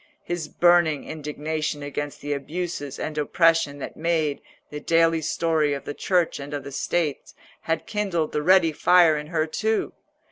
His burning indignation against the abuses and oppression that made the daily story of the Church and of States had kindled the ready fire in her too.